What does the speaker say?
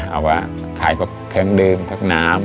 เอาว่าขายพวกเครื่องดื่มพวกน้ำ